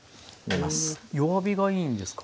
弱火がいいんですか？